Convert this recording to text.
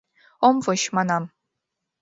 — Ом воч, манам!